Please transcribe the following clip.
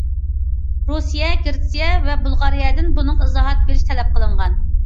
رۇسىيە گىرېتسىيە ۋە بۇلغارىيەدىن بۇنىڭغا ئىزاھات بېرىشنى تەلەپ قىلغان.